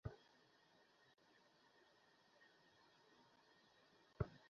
সংসর্গের দ্বার নানাপ্রকার হৃদয়বৃত্তি প্রবল হইয়া উঠিয়া জ্ঞানকে নিষ্ঠাকে শক্তিকে আবিল করিয়া তুলিতে থাকে।